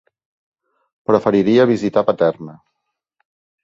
Preferiria visitar Paterna.